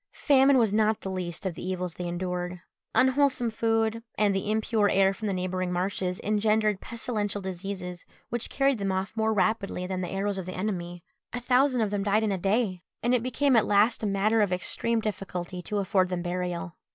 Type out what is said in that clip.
Famine was not the least of the evils they endured. Unwholesome food, and the impure air from the neighbouring marshes, engendered pestilential diseases, which carried them off more rapidly than the arrows of the enemy. A thousand of them died in a day, and it became at last a matter of extreme difficulty to afford them burial.